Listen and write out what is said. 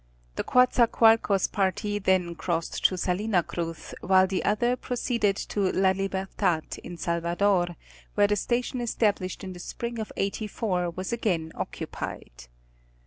The Coatzacoalcos party then crossed to Salina Cruz, while the other proceeded to La Libertad in Salvador, where the station established in the Spring of '84, was again occupied.